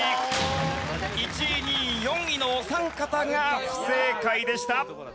１位２位４位のお三方が不正解でした。